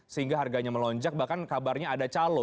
sehingga harganya melonjak bahkan kabarnya ada calo